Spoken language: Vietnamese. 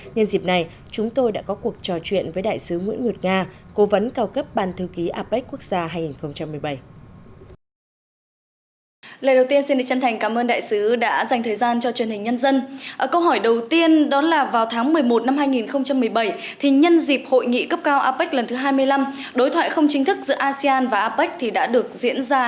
nhân dịp này chúng tôi đã có cuộc trò chuyện với đại sứ nguyễn ngược nga cố vấn cao cấp bàn thư ký apec quốc gia hai nghìn một mươi bảy